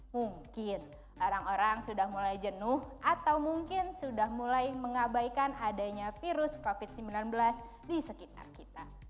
mungkin orang orang sudah mulai jenuh atau mungkin sudah mulai mengabaikan adanya virus covid sembilan belas di sekitar kita